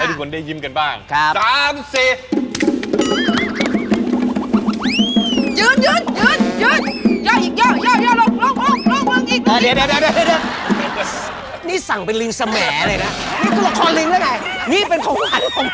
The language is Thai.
ทุกคนได้ยิ้มกันบ้าง